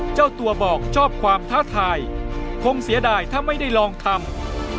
เจ้าตัวบอกชอบความท้าทายคงเสียดายถ้าไม่ได้ลองทำ